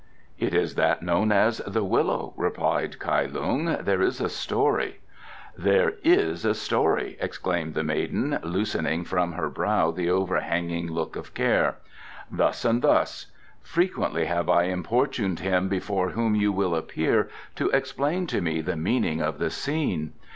"It is that known as 'The Willow,'" replied Kai Lung. "There is a story " "There is a story!" exclaimed the maiden, loosening from her brow the overhanging look of care. "Thus and thus. Frequently have I importuned him before whom you will appear to explain to me the meaning of the scene.